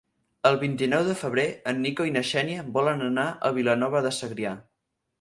El vint-i-nou de febrer en Nico i na Xènia volen anar a Vilanova de Segrià.